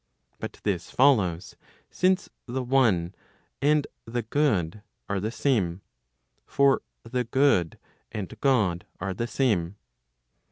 But this follows, since the one and the good are the same. For the good and God are the same.